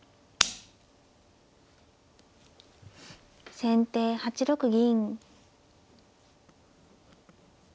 先手８六銀。